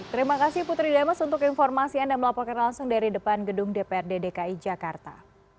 terima kasih putri demas untuk informasi anda melaporkan langsung dari depan gedung dprd dki jakarta